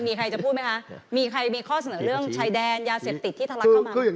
มีใครจะพูดไหมมีข้อเสนอเรื่อง